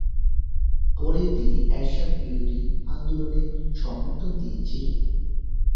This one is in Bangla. পরে তিনি এরশাদ বিরোধী আন্দোলনে সমর্থন দিয়ে ছিলেন।